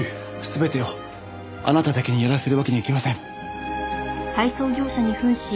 全てをあなただけにやらせるわけにはいきません。